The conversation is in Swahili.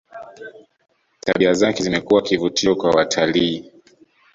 tabia zake zimekuwa kivutio kwa watalii